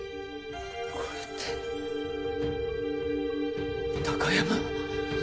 これって貴山？